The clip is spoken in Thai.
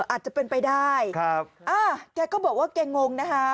อาจจะเป็นไปได้ครับอ่าแกก็บอกว่าแกงงนะคะ